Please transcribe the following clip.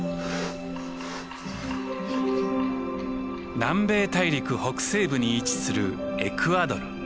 南米大陸北西部に位置するエクアドル。